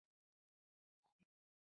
আমার জন্মের সময়ই আমার মা মারা যায়।